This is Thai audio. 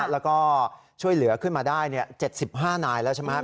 แล้วก็ช่วยเหลือขึ้นมาได้๗๕นายแล้วใช่ไหม